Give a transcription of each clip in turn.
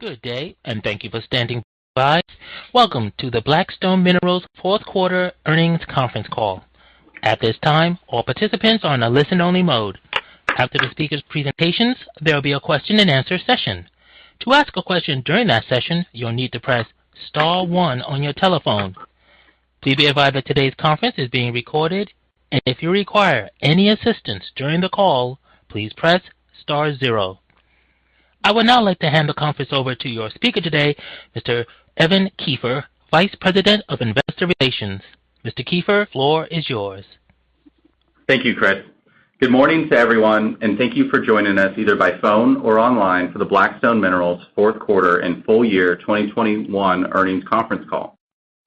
Good day, and thank you for standing by. Welcome to the Black Stone Minerals fourth quarter earnings conference call. At this time, all participants are in a listen-only mode. After the speakers' presentations, there will be a question-and-answer session. To ask a question during that session, you'll need to press star one on your telephone. Be advised that today's conference is being recorded, and if you require any assistance during the call, please press star zero. I would now like to hand the conference over to your speaker today, Mr. Evan Kiefer, Vice President of Investor Relations. Mr. Kiefer, the floor is yours. Thank you, Chris. Good morning to everyone, and thank you for joining us, either by phone or online, for the Black Stone Minerals fourth quarter and full year 2021 earnings conference call.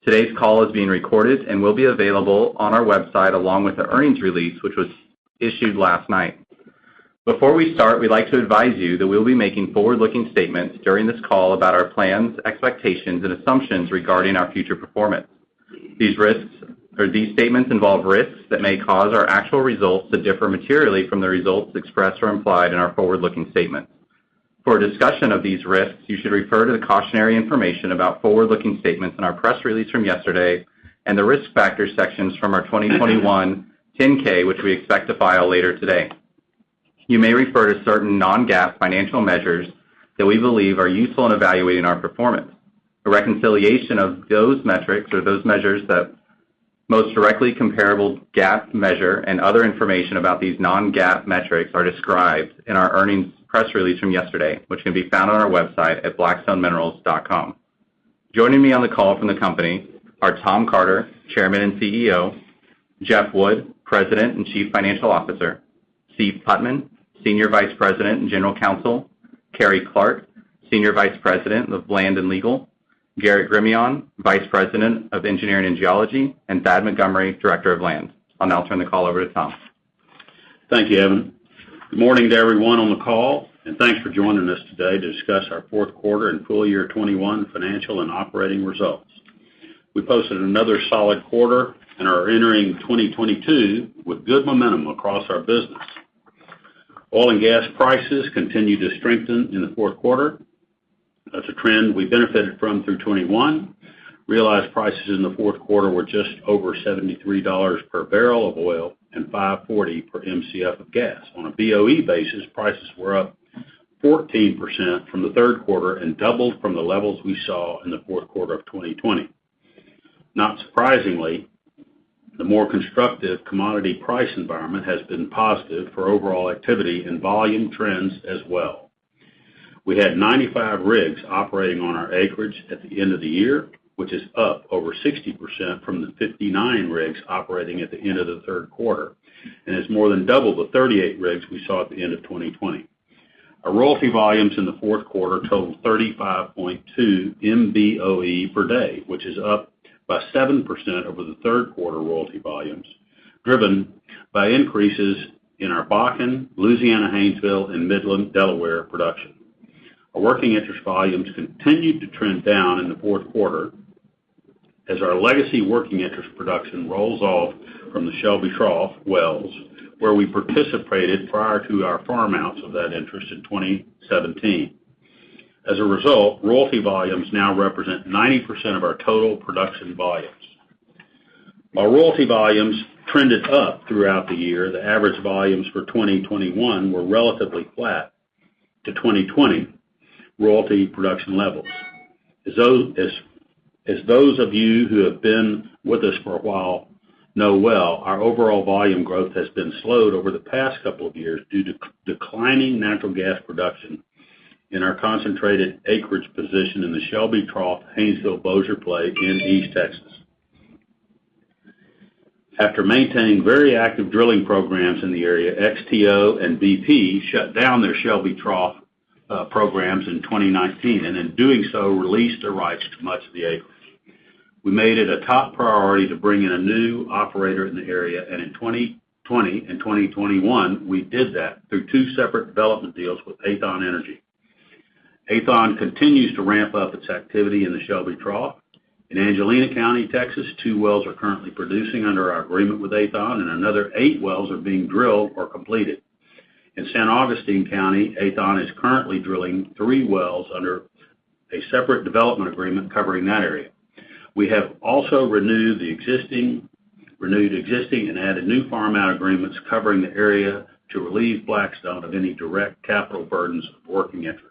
Today's call is being recorded and will be available on our website, along with the earnings release, which was issued last night. Before we start, we'd like to advise you that we'll be making forward-looking statements during this call about our plans, expectations, and assumptions regarding our future performance. These statements involve risks that may cause our actual results to differ materially from the results expressed or implied in our forward-looking statements. For a discussion of these risks, you should refer to the cautionary information about forward-looking statements in our press release from yesterday and the Risk Factors sections from our 2021 10-K, which we expect to file later today. You may refer to certain non-GAAP financial measures that we believe are useful in evaluating our performance. A reconciliation of those metrics or those measures to the most directly comparable GAAP measure and other information about these non-GAAP metrics are described in our earnings press release from yesterday, which can be found on our website at blackstoneminerals.com. Joining me on the call from the company are Tom Carter, Chairman and CEO, Jeff Wood, President and Chief Financial Officer, Steve Putman, Senior Vice President and General Counsel, Carrie Clark, Senior Vice President of Land and Legal, Garrett Gremillion, Vice President of Engineering and Geology, and Thad Montgomery, Director of Land. I'll now turn the call over to Tom. Thank you, Evan. Good morning to everyone on the call, and thanks for joining us today to discuss our fourth quarter and full year 2021 financial and operating results. We posted another solid quarter and are entering 2022 with good momentum across our business. Oil and gas prices continued to strengthen in the fourth quarter. That's a trend we benefited from through 2021. Realized prices in the fourth quarter were just over $73 per barrel of oil and $5.40 per Mcf of gas. On a BOE basis, prices were up 14% from the third quarter and doubled from the levels we saw in the fourth quarter of 2020. Not surprisingly, the more constructive commodity price environment has been positive for overall activity and volume trends as well. We had 95 rigs operating on our acreage at the end of the year, which is up over 60% from the 59 rigs operating at the end of the third quarter, and it's more than double the 38 rigs we saw at the end of 2020. Our royalty volumes in the fourth quarter totaled 35.2 MBOE per day, which is up by 7% over the third quarter royalty volumes, driven by increases in our Bakken, Louisiana Haynesville, and Midland-Delaware production. Our working interest volumes continued to trend down in the fourth quarter as our legacy working interest production rolls off from the Shelby Trough wells, where we participated prior to our farm-outs of that interest in 2017. As a result, royalty volumes now represent 90% of our total production volumes. While royalty volumes trended up throughout the year, the average volumes for 2021 were relatively flat to 2020 royalty production levels. As those of you who have been with us for a while know well, our overall volume growth has been slowed over the past couple of years due to declining natural gas production in our concentrated acreage position in the Shelby Trough Haynesville Bossier play in East Texas. After maintaining very active drilling programs in the area, XTO and BP shut down their Shelby Trough programs in 2019, and in doing so, released their rights to much of the acreage. We made it a top priority to bring in a new operator in the area, and in 2020 and 2021, we did that through two separate development deals with Aethon Energy. Aethon continues to ramp up its activity in the Shelby Trough. In Angelina County, Texas, two wells are currently producing under our agreement with Aethon, and another eight wells are being drilled or completed. In San Augustine County, Aethon is currently drilling three wells under a separate development agreement covering that area. We have also renewed existing and added new farm-out agreements covering the area to relieve Black Stone of any direct capital burdens of working interest.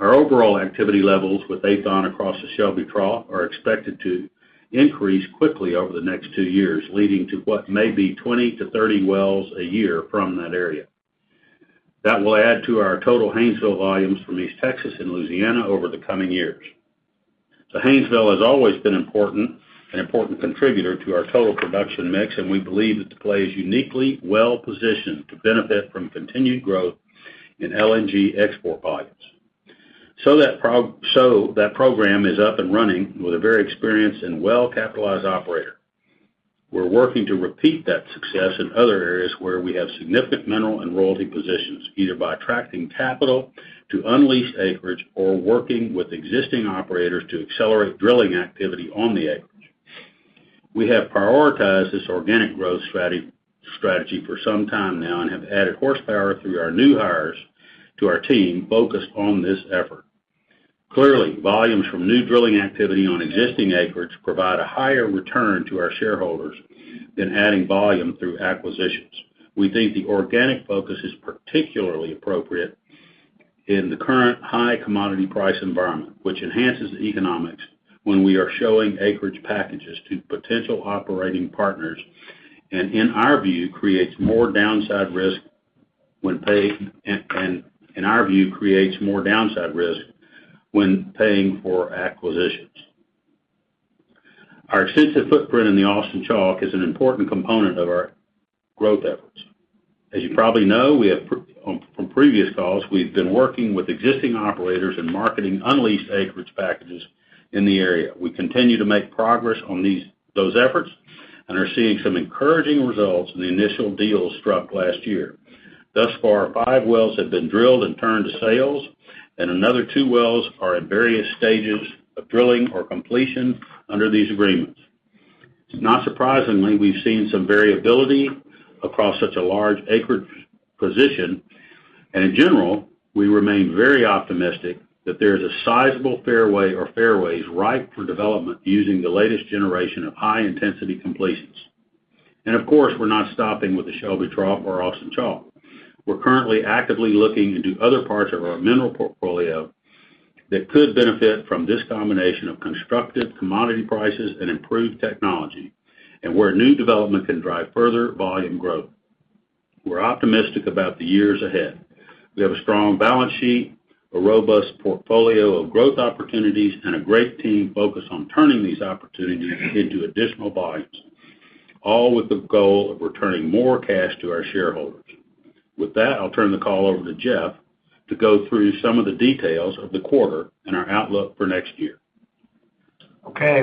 Our overall activity levels with Aethon across the Shelby Trough are expected to increase quickly over the next two years, leading to what may be 20-30 wells a year from that area. That will add to our total Haynesville volumes from East Texas and Louisiana over the coming years. Haynesville has always been an important contributor to our total production mix, and we believe that the play is uniquely well-positioned to benefit from continued growth in LNG export volumes. That program is up and running with a very experienced and well-capitalized operator. We're working to repeat that success in other areas where we have significant mineral and royalty positions, either by attracting capital to unleased acreage or working with existing operators to accelerate drilling activity on the acreage. We have prioritized this organic growth strategy for some time now and have added horsepower through our new hires to our team focused on this effort. Clearly, volumes from new drilling activity on existing acreage provide a higher return to our shareholders than adding volume through acquisitions. We think the organic focus is particularly appropriate in the current high commodity price environment, which enhances the economics when we are showing acreage packages to potential operating partners. In our view, creates more downside risk when paying for acquisitions. Our extensive footprint in the Austin Chalk is an important component of our growth efforts. As you probably know, from previous calls, we've been working with existing operators in marketing unleased acreage packages in the area. We continue to make progress on these efforts and are seeing some encouraging results in the initial deals struck last year. Thus far, five wells have been drilled and turned to sales, and another two wells are in various stages of drilling or completion under these agreements. Not surprisingly, we've seen some variability across such a large acreage position. In general, we remain very optimistic that there's a sizable fairway or fairways ripe for development using the latest generation of high-intensity completions. Of course, we're not stopping with the Shelby Trough or Austin Chalk. We're currently actively looking into other parts of our mineral portfolio that could benefit from this combination of constructive commodity prices and improved technology, and where new development can drive further volume growth. We're optimistic about the years ahead. We have a strong balance sheet, a robust portfolio of growth opportunities, and a great team focused on turning these opportunities into additional volumes, all with the goal of returning more cash to our shareholders. With that, I'll turn the call over to Jeff to go through some of the details of the quarter and our outlook for next year. Okay.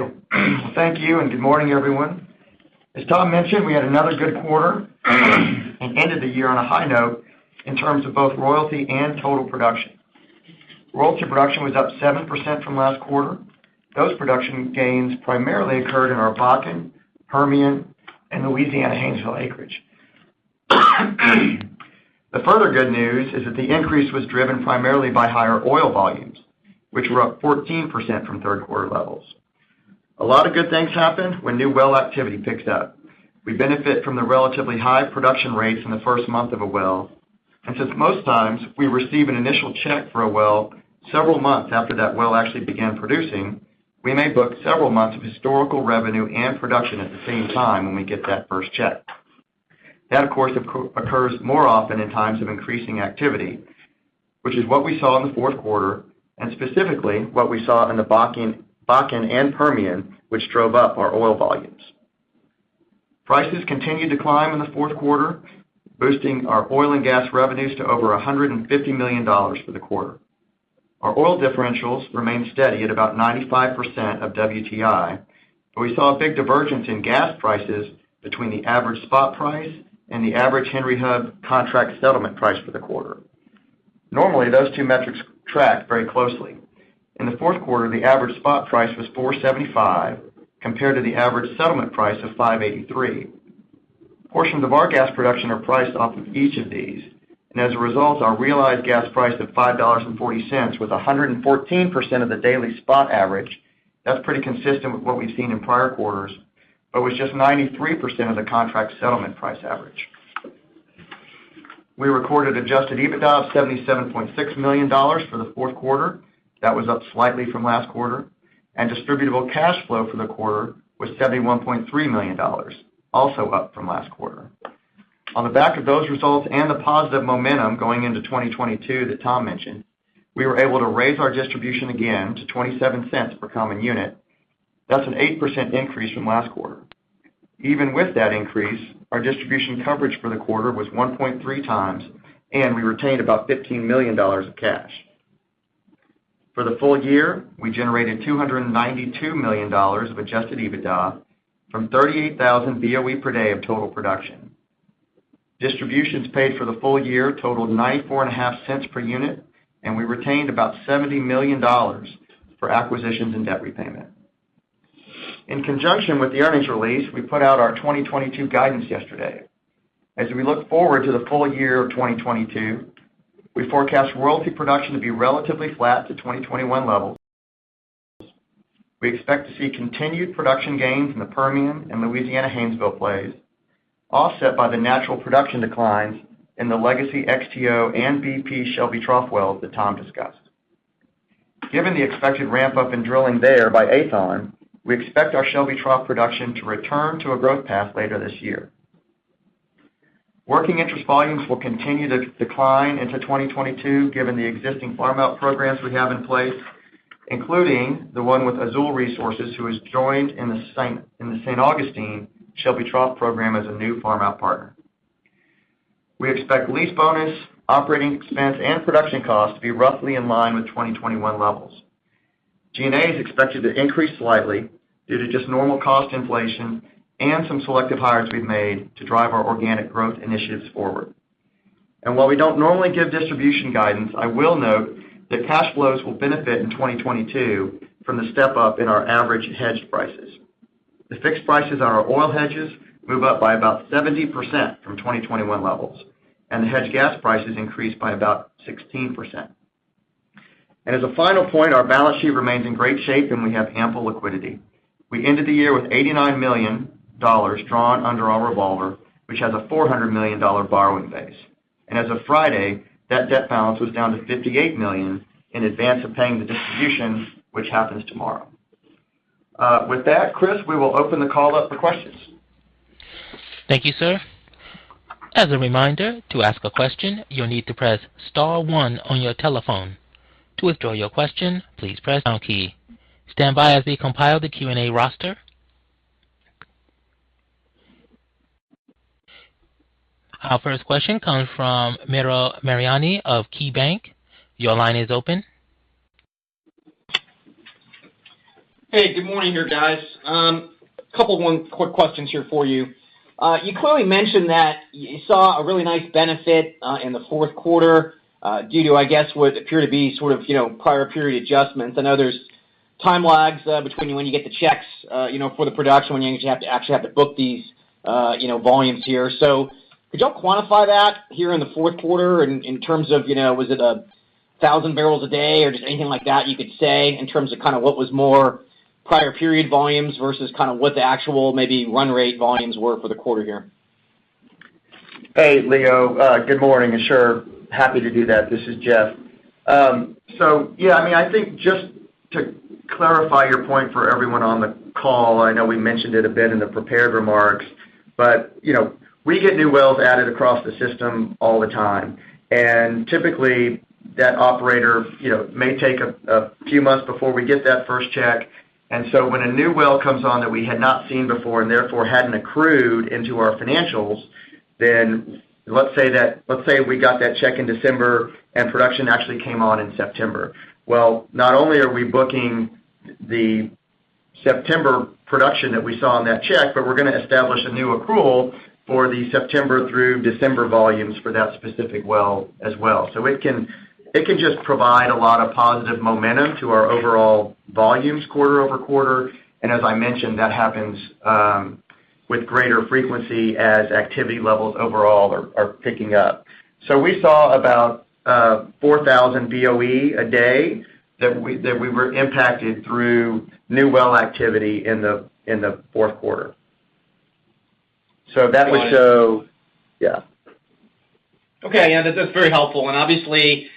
Thank you, and good morning, everyone. As Tom mentioned, we had another good quarter and ended the year on a high note in terms of both royalty and total production. Royalty production was up 7% from last quarter. Those production gains primarily occurred in our Bakken, Permian, and Louisiana Haynesville acreage. The further good news is that the increase was driven primarily by higher oil volumes, which were up 14% from third quarter levels. A lot of good things happen when new well activity picks up. We benefit from the relatively high production rates in the first month of a well, and since most times we receive an initial check for a well several months after that well actually began producing, we may book several months of historical revenue and production at the same time when we get that first check. That, of course, occurs more often in times of increasing activity, which is what we saw in the fourth quarter, and specifically, what we saw in the Bakken and Permian, which drove up our oil volumes. Prices continued to climb in the fourth quarter, boosting our oil and gas revenues to over $150 million for the quarter. Our oil differentials remained steady at about 95% of WTI, but we saw a big divergence in gas prices between the average spot price and the average Henry Hub contract settlement price for the quarter. Normally, those two metrics track very closely. In the fourth quarter, the average spot price was $4.75, compared to the average settlement price of $5.83. A portion of our gas production are priced off of each of these, and as a result, our realized gas price of $5.40 was 114% of the daily spot average. That's pretty consistent with what we've seen in prior quarters, but was just 93% of the contract settlement price average. We recorded adjusted EBITDA of $77.6 million for the fourth quarter. That was up slightly from last quarter. Distributable cash flow for the quarter was $71.3 million, also up from last quarter. On the back of those results and the positive momentum going into 2022 that Tom mentioned, we were able to raise our distribution again to $0.27 per common unit. That's an 8% increase from last quarter. Even with that increase, our distribution coverage for the quarter was 1.3x, and we retained about $15 million of cash. For the full year, we generated $292 million of adjusted EBITDA from 38,000 BOE per day of total production. Distributions paid for the full year totaled $0.945 per unit, and we retained about $70 million for acquisitions and debt repayment. In conjunction with the earnings release, we put out our 2022 guidance yesterday. As we look forward to the full year of 2022, we forecast royalty production to be relatively flat to 2021 levels. We expect to see continued production gains in the Permian and Louisiana Haynesville plays, offset by the natural production declines in the legacy XTO and BP Shelby Trough wells that Tom discussed. Given the expected ramp-up in drilling there by Aethon, we expect our Shelby Trough production to return to a growth path later this year. Working interest volumes will continue to decline into 2022, given the existing farm-out programs we have in place, including the one with Azul Resources, who has joined in the San Augustine Shelby Trough program as a new farm-out partner. We expect lease bonus, operating expense, and production costs to be roughly in line with 2021 levels. G&A is expected to increase slightly due to just normal cost inflation and some selective hires we've made to drive our organic growth initiatives forward. While we don't normally give distribution guidance, I will note that cash flows will benefit in 2022 from the step-up in our average hedged prices. The fixed prices on our oil hedges move up by about 70% from 2021 levels, and the hedged gas prices increased by about 16%. As a final point, our balance sheet remains in great shape, and we have ample liquidity. We ended the year with $89 million drawn under our revolver, which has a $400 million borrowing base. As of Friday, that debt balance was down to $58 million in advance of paying the distribution, which happens tomorrow. With that, Chris, we will open the call up for questions. Thank you, sir. As a reminder, to ask a question, you'll need to press star one on your telephone. To withdraw your question, please press pound key. Stand by as we compile the Q&A roster. Our first question comes from Leo Mariani of KeyBanc Capital Markets. Your line is open. Hey, good morning, guys. A couple quick questions here for you. You clearly mentioned that you saw a really nice benefit in the fourth quarter due to, I guess, what appear to be sort of, you know, prior period adjustments. I know there's time lags between when you get the checks, you know, for the production when you actually have to book these, you know, volumes here. So could y'all quantify that here in the fourth quarter in terms of, you know, was it 1,000 barrels a day or just anything like that you could say in terms of kinda what was more prior period volumes versus kinda what the actual maybe run rate volumes were for the quarter here? Hey, Leo. Good morning, and sure, happy to do that. This is Jeff. So yeah, I mean, I think just to clarify your point for everyone on the call, I know we mentioned it a bit in the prepared remarks, but you know, we get new wells added across the system all the time. Typically, that operator, you know, may take a few months before we get that first check. When a new well comes on that we had not seen before and therefore hadn't accrued into our financials, then let's say we got that check in December and production actually came on in September. Well, not only are we booking the September production that we saw on that check, but we're gonna establish a new accrual for the September through December volumes for that specific well as well. It can just provide a lot of positive momentum to our overall volumes quarter-over-quarter. As I mentioned, that happens with greater frequency as activity levels overall are picking up. We saw about 4,000 BOE a day that we were impacted through new well activity in the fourth quarter. That would show. Yeah. Okay. Yeah, that's very helpful. Obviously,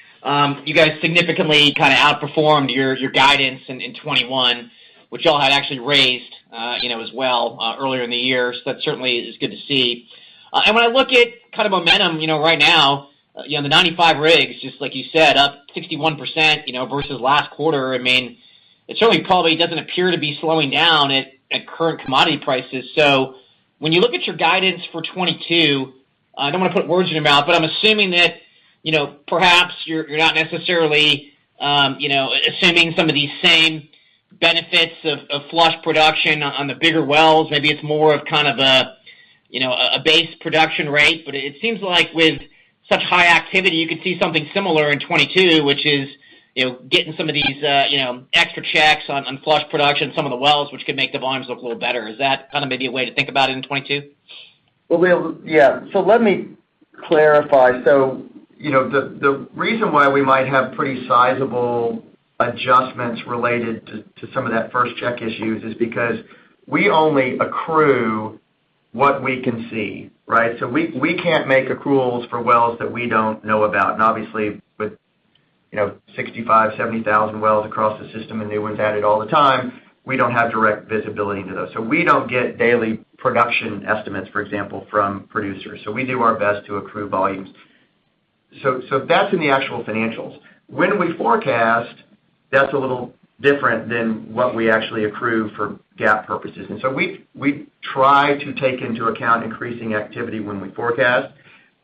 you guys significantly kinda outperformed your guidance in 2021, which y'all had actually raised, you know, as well, earlier in the year. That certainly is good to see. When I look at kind of momentum, you know, right now, you know, the 95 rigs, just like you said, up 61% versus last quarter, I mean, it certainly probably doesn't appear to be slowing down at current commodity prices. When you look at your guidance for 2022, I don't wanna put words in your mouth, but I'm assuming that, you know, perhaps you're not necessarily, you know, assuming some of these same benefits of flush production on the bigger wells. Maybe it's more of kind of a base production rate. It seems like with such high activity, you could see something similar in 2022, which is, you know, getting some of these, you know, extra checks on flush production, some of the wells which could make the volumes look a little better. Is that kind of maybe a way to think about it in 2022? Well, Leo, yeah. Let me clarify. You know, the reason why we might have pretty sizable adjustments related to some of that first check issues is because we only accrue what we can see, right? We can't make accruals for wells that we don't know about. Obviously, with, you know, 65,000-70,000 wells across the system and new ones added all the time, we don't have direct visibility into those. We don't get daily production estimates, for example, from producers. We do our best to accrue volumes. That's in the actual financials. When we forecast, that's a little different than what we actually accrue for GAAP purposes. We try to take into account increasing activity when we forecast.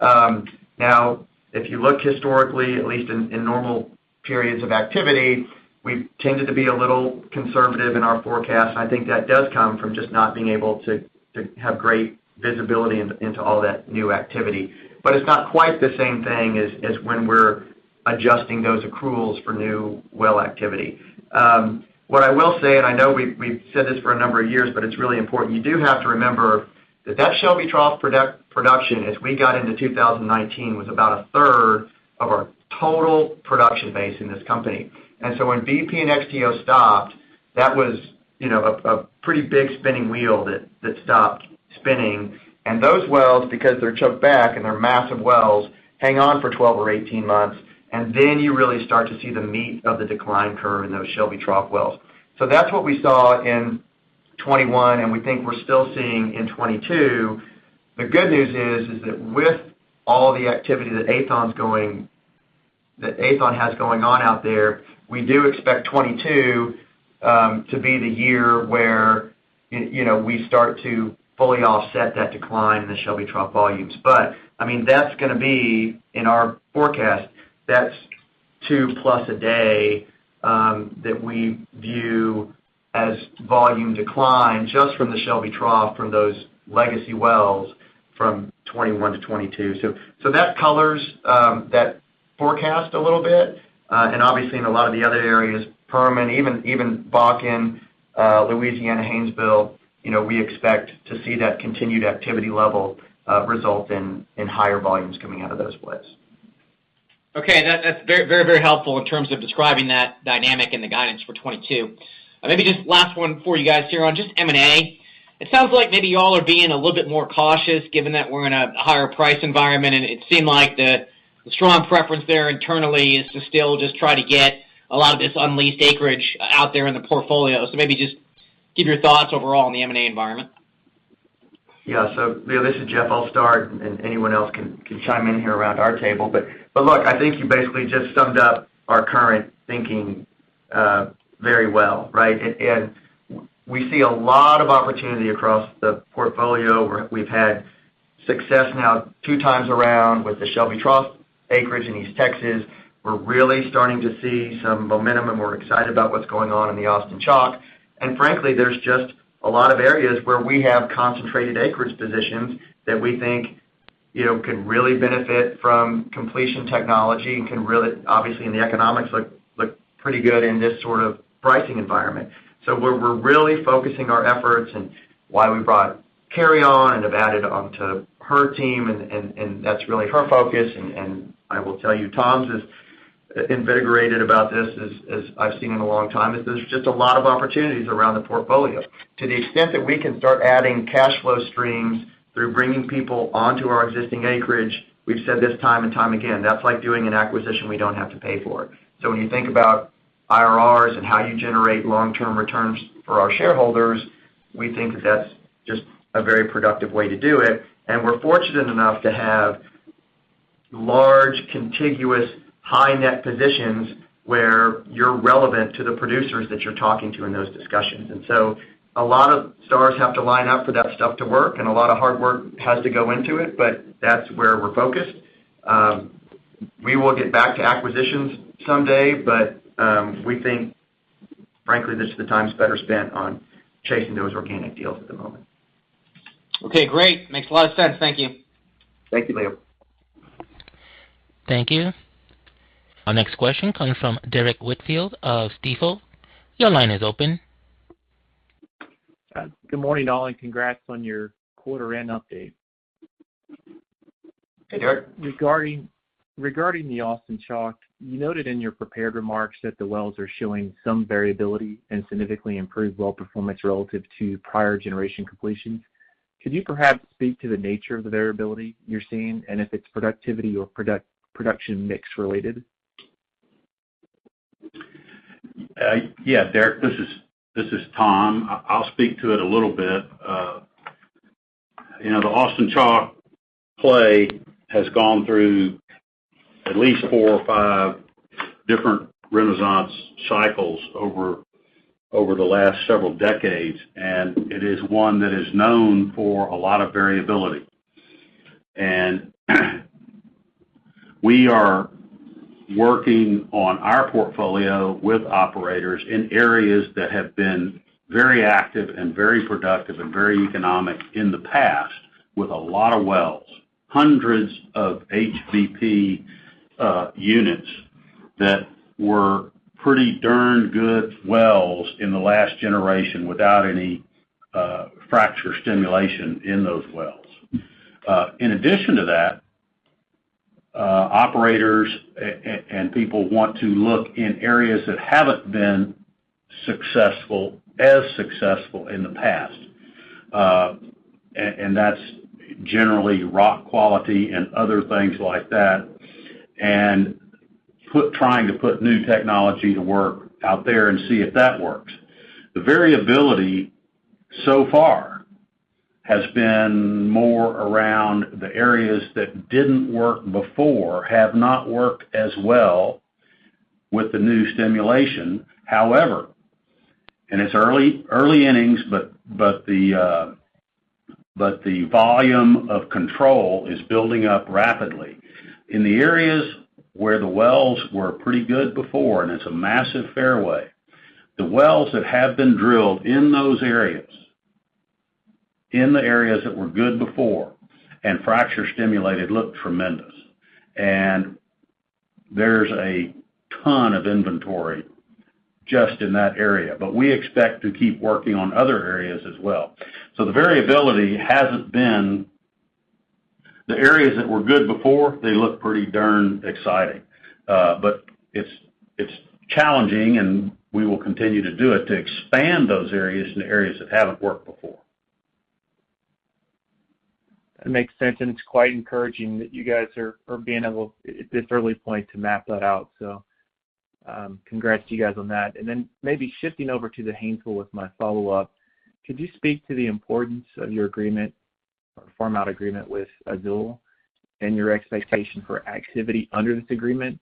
Now, if you look historically, at least in normal periods of activity, we've tended to be a little conservative in our forecast. I think that does come from just not being able to have great visibility into all that new activity. But it's not quite the same thing as when we're adjusting those accruals for new well activity. What I will say, and I know we've said this for a number of years, but it's really important. You do have to remember that Shelby Trough production, as we got into 2019, was about 1/3 of our total production base in this company. When BP and XTO stopped, that was, you know, a pretty big spinning wheel that stopped spinning. Those wells, because they're choked back and they're massive wells, hang on for 12 or 18 months, and then you really start to see the meat of the decline curve in those Shelby Trough wells. That's what we saw in 2021, and we think we're still seeing in 2022. The good news is that with all the activity that Aethon has going on out there, we do expect 2022 to be the year where, you know, we start to fully offset that decline in the Shelby Trough volumes. I mean, that's gonna be, in our forecast, that's 2+ a day that we view as volume decline just from the Shelby Trough, from those legacy wells from 2021 to 2022. That colors that forecast a little bit. Obviously in a lot of the other areas, Perm, and even Bakken, Louisiana Haynesville, you know, we expect to see that continued activity level result in higher volumes coming out of those plays. Okay. That's very helpful in terms of describing that dynamic and the guidance for 2022. Maybe just last one for you guys here on just M&A. It sounds like maybe y'all are being a little bit more cautious given that we're in a higher price environment, and it seemed like the strong preference there internally is to still just try to get a lot of this unleased acreage out there in the portfolio. Maybe just give your thoughts overall on the M&A environment. Yeah. This is Jeff. I'll start, and anyone else can chime in here around our table. Look, I think you basically just summed up our current thinking very well, right? We see a lot of opportunity across the portfolio. We've had success now two times around with the Shelby Trough acreage in East Texas. We're really starting to see some momentum, and we're excited about what's going on in the Austin Chalk. Frankly, there's just a lot of areas where we have concentrated acreage positions that we think, you know, can really benefit from completion technology and can really obviously the economics look pretty good in this sort of pricing environment. We're really focusing our efforts and why we brought Carrie on and have added on to her team and that's really her focus. I will tell you, Tom's as invigorated about this as I've seen in a long time. There's just a lot of opportunities around the portfolio. To the extent that we can start adding cash flow streams through bringing people onto our existing acreage, we've said this time and time again, that's like doing an acquisition we don't have to pay for. When you think about IRRs and how you generate long-term returns for our shareholders, we think that that's just a very productive way to do it. We're fortunate enough to have large, contiguous, high net positions where you're relevant to the producers that you're talking to in those discussions. A lot of stars have to line up for that stuff to work, and a lot of hard work has to go into it, but that's where we're focused. We will get back to acquisitions someday, but we think, frankly, this is the time better spent on chasing those organic deals at the moment. Okay, great. Makes a lot of sense. Thank you. Thank you, Leo. Thank you. Our next question comes from Derrick Whitfield of Stifel. Your line is open. Good morning, all, and congrats on your quarter end update. Hey, Derrick. Regarding the Austin Chalk, you noted in your prepared remarks that the wells are showing some variability and significantly improved well performance relative to prior generation completions. Could you perhaps speak to the nature of the variability you're seeing, and if it's productivity or production mix related? Yeah, Derrick, this is Tom. I'll speak to it a little bit. You know, the Austin Chalk play has gone through at least four or five different renaissance cycles over the last several decades, and it is one that is known for a lot of variability. We are working on our portfolio with operators in areas that have been very active and very productive and very economic in the past with a lot of wells, hundreds of HBP units that were pretty darn good wells in the last generation without any fracture stimulation in those wells. In addition to that, operators and people want to look in areas that haven't been successful, as successful in the past, and that's generally rock quality and other things like that, trying to put new technology to work out there and see if that works. The variability so far has been more around the areas that didn't work before have not worked as well with the new stimulation. However, it's early innings, but the volume of control is building up rapidly. In the areas where the wells were pretty good before, and it's a massive fairway, the wells that have been drilled in those areas, in the areas that were good before and fracture stimulated look tremendous. There's a ton of inventory just in that area, but we expect to keep working on other areas as well. The variability hasn't been. The areas that were good before, they look pretty darn exciting. It's challenging, and we will continue to do it to expand those areas into areas that haven't worked before. That makes sense, and it's quite encouraging that you guys are being able, at this early point, to map that out. Congrats to you guys on that. Then maybe shifting over to the Haynesville with my follow-up. Could you speak to the importance of your agreement or farm-out agreement with Aethon and your expectation for activity under this agreement?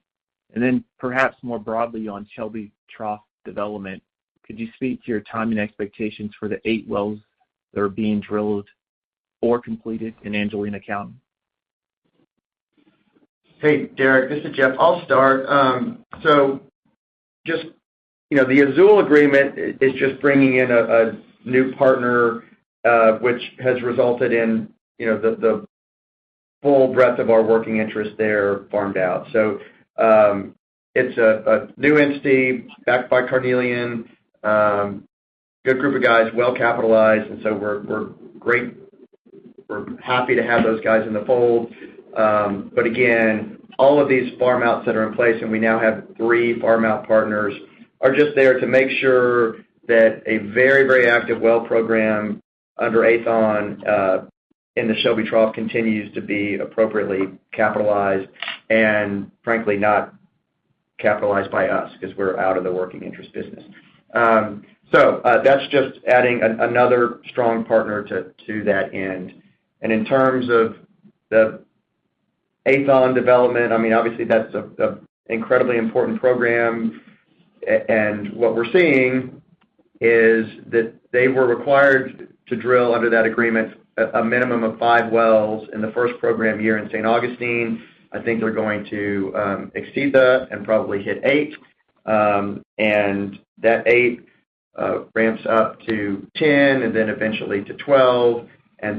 Then perhaps more broadly on Shelby Trough development, could you speak to your timing expectations for the eight wells that are being drilled? Completed in Angelina County? Hey, Derrick, this is Jeff. I'll start. Just, you know, the Aethon agreement is just bringing in a new partner, which has resulted in, you know, the full breadth of our working interest there farmed out. It's a new entity backed by Carnelian, good group of guys, well-capitalized, and we're great. We're happy to have those guys in the fold. But again, all of these farm-outs that are in place, and we now have three farm-out partners, are just there to make sure that a very active well program under Aethon in the Shelby Trough continues to be appropriately capitalized and frankly not capitalized by us 'cause we're out of the working interest business. That's just adding another strong partner to that end. In terms of the Aethon development, I mean, obviously that's an incredibly important program. What we're seeing is that they were required to drill under that agreement a minimum of five wells in the first program year in San Augustine. I think they're going to exceed that and probably hit eight. And that eight ramps up to 10 and then eventually to 12. On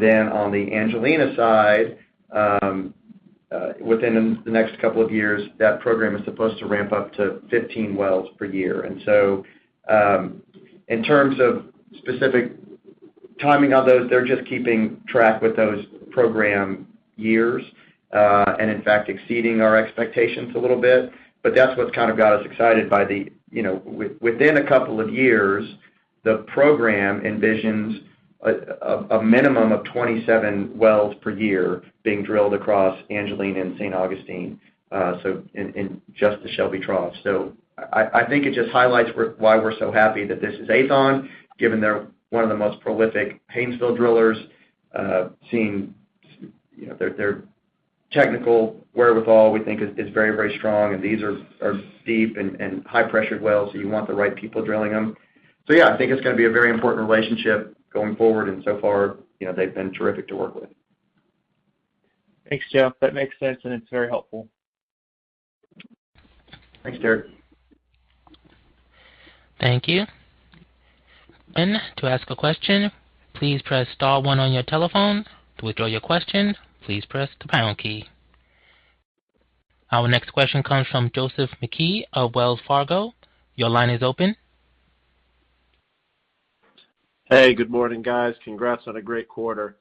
the Angelina side, within the next couple of years, that program is supposed to ramp up to 15 wells per year. In terms of specific timing on those, they're just keeping track with those program years, and in fact, exceeding our expectations a little bit. That's what's kind of got us excited by the, you know, within a couple of years, the program envisions a minimum of 27 wells per year being drilled across Angelina and San Augustine, so in just the Shelby Trough. I think it just highlights why we're so happy that this is Aethon, given they're one of the most prolific Haynesville drillers, seeing, you know, their technical wherewithal, we think is very, very strong, and these are steep and high-pressured wells, so you want the right people drilling them. Yeah, I think it's gonna be a very important relationship going forward, and so far, you know, they've been terrific to work with. Thanks, Jeff. That makes sense, and it's very helpful. Thanks, Derrick. Thank you. To ask a question, please press star one on your telephone. To withdraw your question, please press the pound key. Our next question comes from Joseph McKay of Wells Fargo. Your line is open. Hey, good morning, guys. Congrats on a great quarter.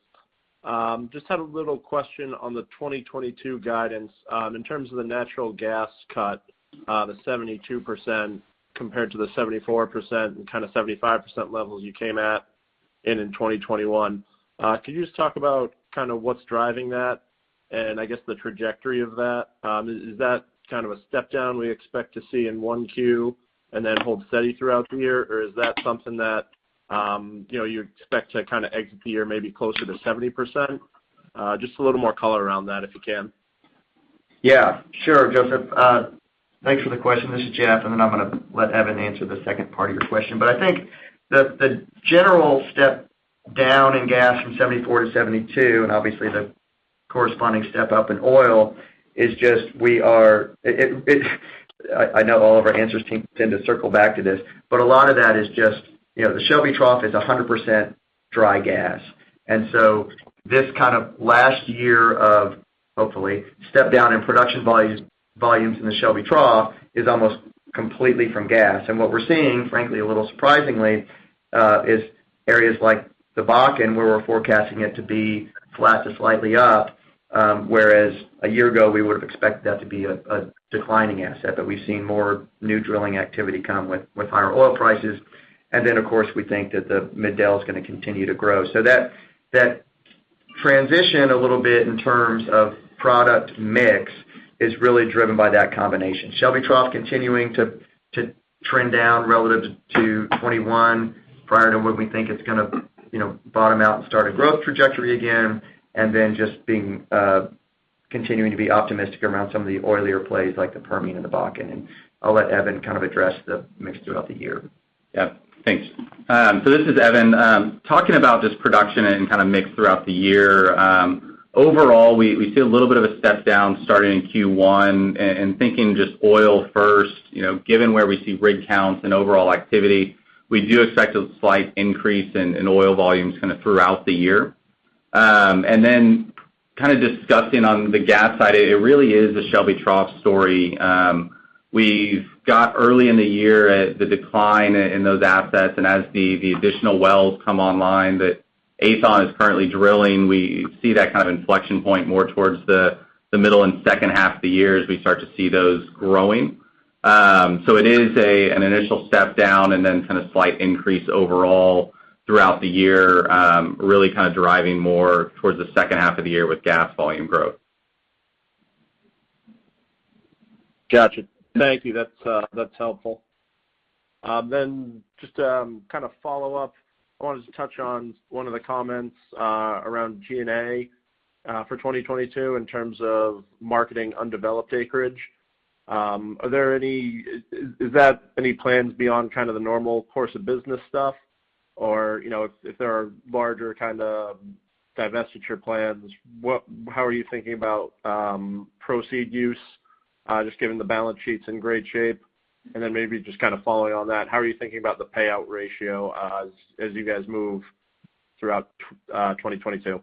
Just had a little question on the 2022 guidance. In terms of the natural gas cut, the 72% compared to the 74% and kind of 75% level you came at, in 2021. Could you just talk about kind of what's driving that and I guess the trajectory of that? Is that kind of a step down we expect to see in 1Q and then hold steady throughout the year? Or is that something that, you know, you expect to kind of exit the year maybe closer to 70%? Just a little more color around that if you can. Yeah. Sure, Joseph. Thanks for the question. This is Jeff, and then I'm gonna let Evan answer the second part of your question. I think the general step down in gas from 74%-72%, and obviously the corresponding step up in oil is just. I know all of our answers tend to circle back to this, but a lot of that is just, you know, the Shelby Trough is 100% dry gas. This kind of last year of, hopefully, step down in production volumes in the Shelby Trough is almost completely from gas. What we're seeing, frankly, a little surprisingly, is areas like the Bakken, where we're forecasting it to be flat to slightly up, whereas a year ago, we would have expected that to be a declining asset. We've seen more new drilling activity come with higher oil prices. Of course, we think that the Mid-Del is gonna continue to grow. That transition a little bit in terms of product mix is really driven by that combination. Shelby Trough continuing to trend down relative to 2021 prior to when we think it's gonna, you know, bottom out and start a growth trajectory again, and then just continuing to be optimistic around some of the oilier plays like the Permian and the Bakken. I'll let Evan kind of address the mix throughout the year. Yeah. Thanks. This is Evan, talking about just production and kind of mix throughout the year. Overall, we see a little bit of a step down starting in Q1. Thinking just oil first, you know, given where we see rig counts and overall activity, we do expect a slight increase in oil volumes kind of throughout the year. Kind of discussing on the gas side, it really is a Shelby Trough story. We've got early in the year as the decline in those assets and as the additional wells come online that Aethon is currently drilling, we see that kind of inflection point more towards the middle and second half of the year as we start to see those growing. It is an initial step down and then kind of slight increase overall throughout the year, really kind of driving more towards the second half of the year with gas volume growth. Gotcha. Thank you. That's helpful. I wanted to touch on one of the comments around G&A for 2022 in terms of marketing undeveloped acreage. Are there any plans beyond kind of the normal course of business stuff? Or, you know, if there are larger kind of divestiture plans, how are you thinking about use of proceeds, just given the balance sheet's in great shape? Maybe just kind of following on that, how are you thinking about the payout ratio as you guys move throughout 2022?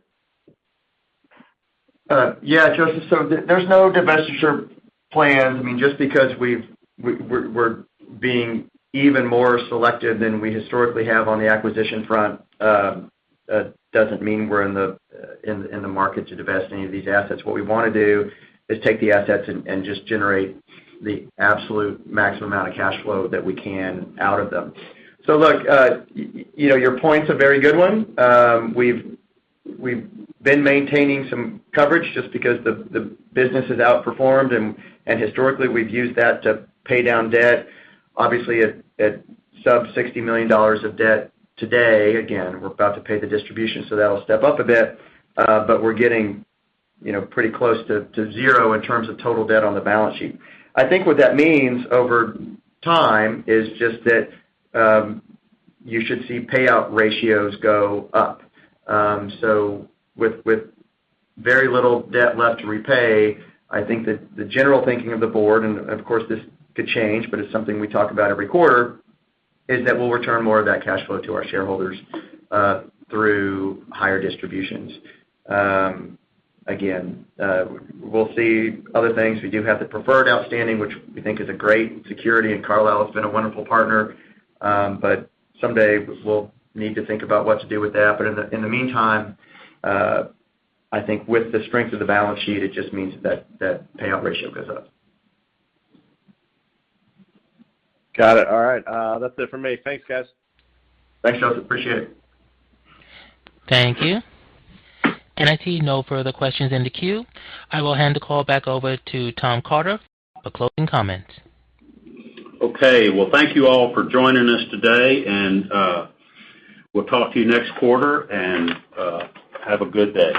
Yeah, Joseph, there's no divestiture plans. I mean, just because we're being even more selective than we historically have on the acquisition front, doesn't mean we're in the market to divest any of these assets. What we wanna do is take the assets and just generate the absolute maximum amount of cash flow that we can out of them. Look, you know, your point's a very good one. We've been maintaining some coverage just because the business has outperformed, and historically, we've used that to pay down debt. Obviously, at sub $60 million of debt today, again, we're about to pay the distribution, so that'll step up a bit, but we're getting, you know, pretty close to zero in terms of total debt on the balance sheet. I think what that means over time is just that, you should see payout ratios go up. With very little debt left to repay, I think that the general thinking of the board, and of course, this could change, but it's something we talk about every quarter, is that we'll return more of that cash flow to our shareholders, through higher distributions. Again, we'll see other things. We do have the preferred outstanding, which we think is a great security, and Carnelian has been a wonderful partner. Someday we'll need to think about what to do with that. In the meantime, I think with the strength of the balance sheet, it just means that that payout ratio goes up. Got it. All right. That's it for me. Thanks, guys. Thanks, Joseph. Appreciate it. Thank you. I see no further questions in the queue. I will hand the call back over to Tom Carter for closing comments. Okay. Well, thank you all for joining us today, and we'll talk to you next quarter, and have a good day.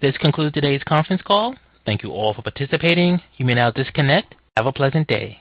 This concludes today's conference call. Thank you all for participating. You may now disconnect. Have a pleasant day.